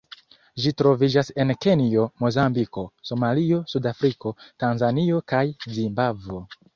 Ĝi troviĝas en Kenjo, Mozambiko, Somalio, Sudafriko, Tanzanio kaj Zimbabvo.